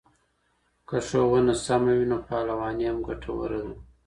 که ښوونه سمه وي نو پهلواني هم ګټوره ده.